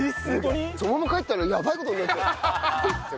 そのまま帰ってたらやばい事になってたよ。